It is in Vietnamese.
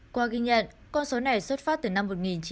qua ghi nhận con số này xuất phát từ năm một nghìn chín trăm chín mươi tám